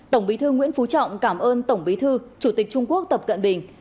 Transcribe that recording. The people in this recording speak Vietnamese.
tổng bí thư nguyễn phú trọng cảm ơn tổng bí thư chủ tịch trung quốc tập cận bình